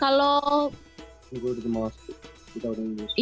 kita sudah dimaksud